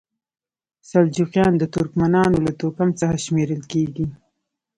سلجوقیان د ترکمنانو له توکم څخه شمیرل کیږي.